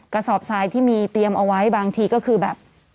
กระสอบทรายที่มีเตรียมเอาไว้บางทีก็คือแบบ